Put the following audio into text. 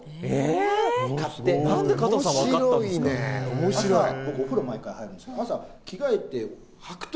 面白いね。